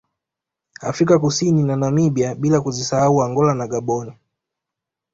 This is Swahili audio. Afrika Kusini na Namibia bila kuzisahau Angola na Gaboni